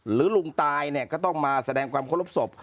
ลุงตายเนี่ยก็ต้องมาแสดงความเคารพศพ